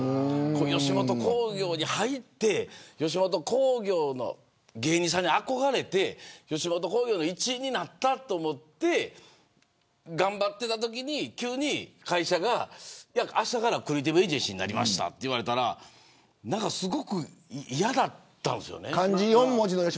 吉本興業に入って吉本興業の芸人さんに憧れて吉本興業の一員になったと思って頑張っていたときに急に会社があしたから、クリエイティブ・エージェンシーになりましたと言われたら何かすごく嫌だったんですよね。